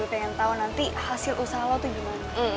gue pengen tau nanti hasil usaha lo tuh gimana